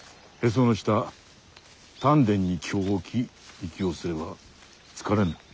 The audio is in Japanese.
その下丹田に気を置き息をすれば疲れぬ。